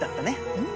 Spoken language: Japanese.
うん。